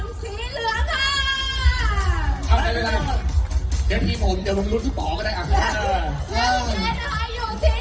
ที่หมายคู่เดียวก็แบบนี้นะคะบุคคลฟันสีเหลือค่ะ